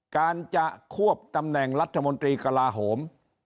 การจะควบตำแหน่งรัฐมนตรีกระลาโหม